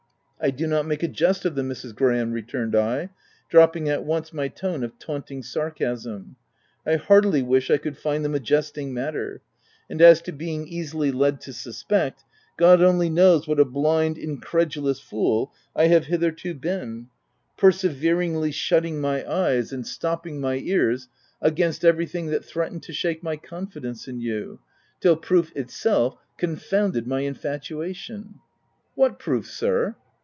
," I do not make a jest of them, Mrs. Gra ham," returned I, dropping at once, my tone of taunting sarcasm. (i I heartily wish I could find them a jesting matter ! And as to being easily led to suspect, God only knows what a blind, incredulous fool I have hitherto been, perseveringly shutting my eyes and stopping my ears against everything that threatened to shake my confidence in you, till proof itself confounded my infatuation !"" What proof, sir